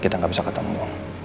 kita gak bisa ketemu